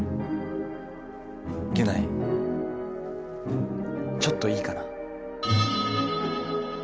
ギュナイちょっといいかな。